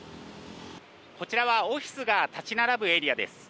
こちらはオフィスが建ち並ぶエリアです。